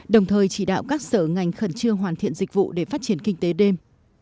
đồng thời chỉ đạo các sở ngành khẩn trương hoàn thiện dịch vụ để phát triển kinh tế đêm